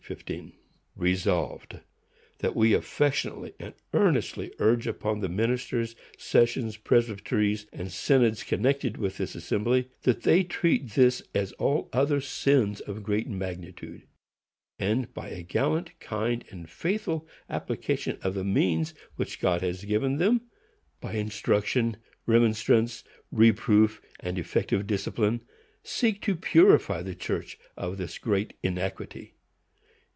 15): Resolved, That we affectionately and earnestly urge upon the Ministers, Sessions, Presbyteries and Synods connected with this Assembly, that they treat this as all other sins of great magnitude; and, by a diligent, kind and faithful application of the means which God has given them, by instruction, remonstrance, reproof and effective discipline, seek to purify the church of this great iniquity.